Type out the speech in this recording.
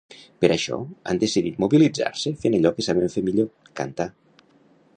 Per això, han decidit de mobilitzar-se fent allò que saben fer millor: cantar.